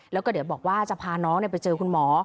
แล้วก็เดี๋ยวบอกว่าจะพาน้องไปเจอคุณหมอ